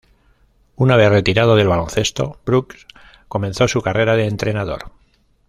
Una vez retirado del baloncesto, Brooks comenzó su carrera de entrenador.